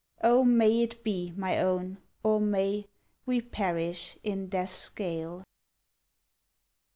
Oh, may it be, my own, or may We perish in death's gale!